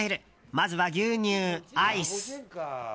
まずは牛乳、アイス。